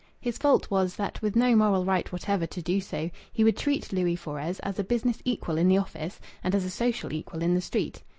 His fault was that, with no moral right whatever to do so, he would treat Louis Fores as a business equal in the office and as a social equal in the street.